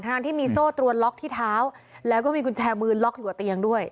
ทั้งที่มีโซ่ตรวนล็อกที่เท้าแล้วก็มีกุญแจมือล็อกอยู่กับเตียงด้วย